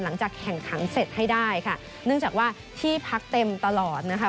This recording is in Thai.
หลังจากแข่งขันเสร็จให้ได้ค่ะเนื่องจากว่าที่พักเต็มตลอดนะคะ